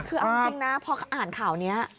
คือเอาจริงนะพออ่านข่าวนี้